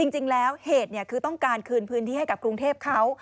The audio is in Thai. เหตุคือต้องการคืนพื้นที่ให้กับกรุงเทพเขา